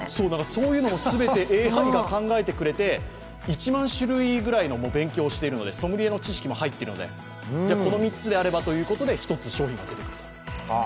そういうのも全てＡＩが考えてくれてソムリエの知識も入っているので、この３つであればということで１つ商品が出てくると。